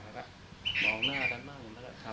เขาก็มองหน้ากันมากหนึ่งแล้วก็ทำ